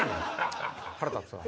腹立つわ。